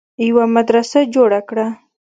يوه مدرسه جوړه کړه